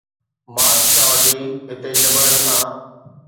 march کان وٺي هتي جبلن کان